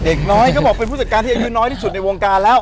เด็กน้อยก็บอกเป็นผู้จัดการที่อายุน้อยที่สุดในวงการแล้ว